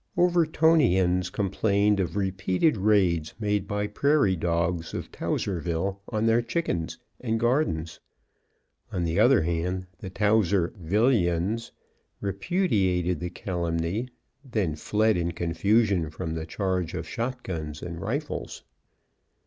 Overtonians complained of repeated raids made by prairie dogs of Towserville on their chickens and gardens. On the other hand, the Towser "villians" repudiated the calumny, then fled in confusion from the charge of shotguns and rifles.